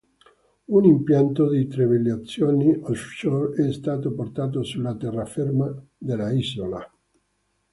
Un impianto di trivellazioni offshore è stato portato sulla terraferma dell'isola.